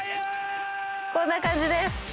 こんな感じです。